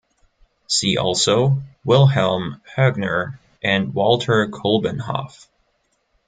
See also: Wilhelm Hoegner and Walter Kolbenhoff.